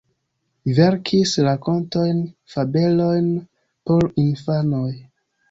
Verkis rakontojn, fabelojn por infanoj.